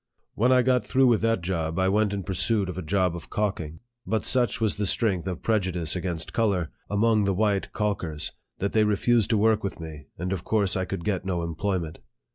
When I got through with that job, I went in pursuit of a job of calking ; but such was the strength of prejudice against color, among the white calkers, that they refused to work with me, and of course I could get no employment.